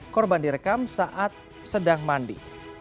korban direkam saat sedang mandi